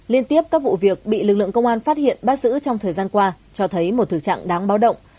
liên tiếp các vụ việc bị lực lượng công an phát hiện bắt giữ trong thời gian qua cho thấy một thực trạng đáng báo động